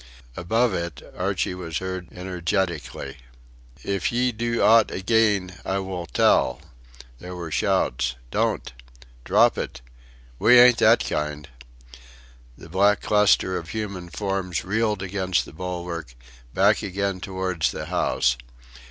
Above it Archie was heard energetically: "If ye do oot ageen I wull tell!" There were shouts. "Don't!" "Drop it!" "We ain't that kind!" The black cluster of human forms reeled against the bulwark, back again towards the house.